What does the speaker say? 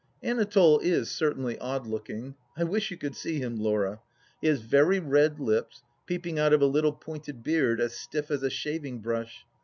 Anatole is certainly odd looking; I wish you could see him, Laura. He has very red lips, peeping out of a little pointed beard as stiff as a shaving brush.